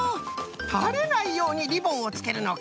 たれないようにリボンをつけるのか。